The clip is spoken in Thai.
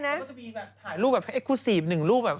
ถ่ายรูปแบบเอกลุสิฟต์๑รูปแบบ